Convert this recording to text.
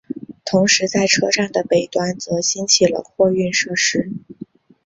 同时在车站的北端则兴起了货运设施。